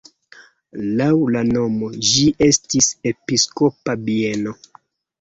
Laŭ la nomo ĝi estis episkopa bieno.